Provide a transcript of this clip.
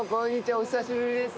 お久しぶりです。